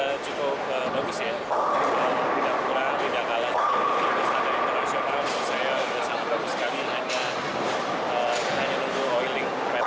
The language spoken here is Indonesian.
saya sangat bagus sekali hanya tentu oiling yang kita pakai buat asian games ini